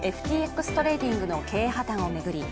ＦＴＸトレーディングの経営破綻を巡り